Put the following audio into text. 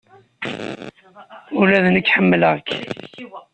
Ula d nekk ḥemmleɣ-k.